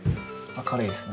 明るいですね。